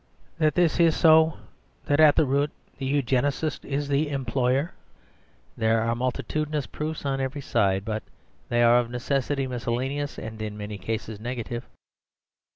That this is so, that at root the Eugenist is the Employer, there are multitudinous proofs on every side, but they are of necessity miscellaneous, and in many cases negative.